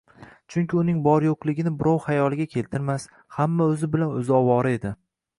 Chunki uning bor-yoʻqligini birov xayoliga keltirmas, hamma oʻzi bilan oʻzi ovora edi